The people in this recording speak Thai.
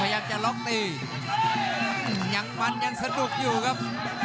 ยังมันยังสนุกอยู่ครับ